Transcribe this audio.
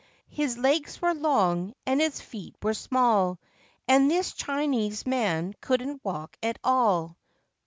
His legs were long, and his feet were small, And this Chinese man couldn't walk at all.